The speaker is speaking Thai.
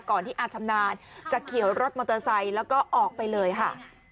ที่อาชำนาญจะเขียวรถมอเตอร์ไซค์แล้วก็ออกไปเลยค่ะ